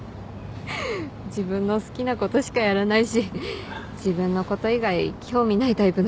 自分の好きなことしかやらないし自分のこと以外興味ないタイプの人で。